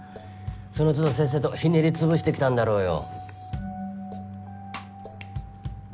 そのつどせっせとひねり潰してきたんだろうよ。